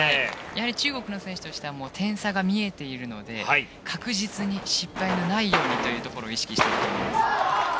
中国の選手としては点差が見えているので確実に失敗のないようにというところを意識していると思います。